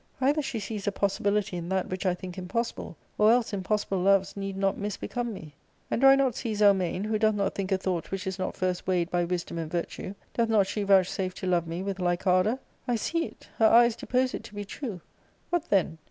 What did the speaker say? Either she sees a possibility in that which I think impossible, or else impossible loves need not misbecome me. And do I not see ARCADIA.' Book II. 139 Zelmane, who doth not think a thought which is not first weighed by wisdom and virtue — doth not she vouchsafe to love me with like ardour ? I see it, her eyes depose it to be true. What then